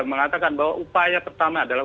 mengatakan bahwa upaya pertama adalah